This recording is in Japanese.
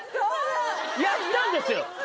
やったんですよ！